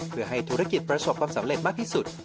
เพื่อให้ธุรกิจประสบความสำเร็จมากที่สุด